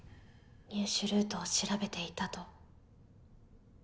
入手ルートを調べていたと？